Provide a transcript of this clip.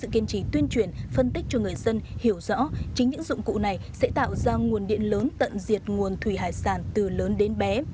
sự kiên trì tuyên truyền phân tích cho người dân hiểu rõ chính những dụng cụ này sẽ tạo ra nguồn điện lớn tận diệt nguồn thủy hải sản từ lớn đến bé